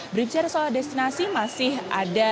berbicara soal destinasi masih ada